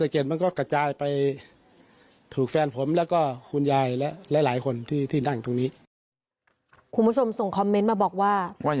คุณผู้ชมส่งคอมเมนต์มาบอกว่า